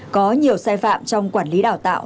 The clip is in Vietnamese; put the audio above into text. có nhiều sai phạm trong quản lý đào tạo